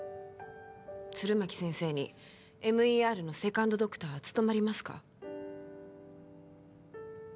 弦巻先生にＭＥＲのセカンドドクターは務まりますか